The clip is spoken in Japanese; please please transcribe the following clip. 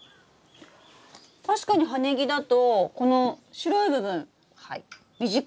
確かに葉ネギだとこの白い部分短いですね。